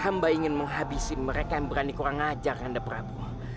hamba ingin menghabisi mereka yang berani kurang ajar anda prabu